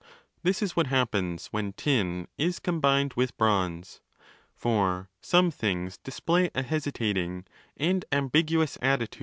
This is what happens when tin is combined with bronze. For some things display a hesitating and ambiguous attitude towards "σι 1 sc.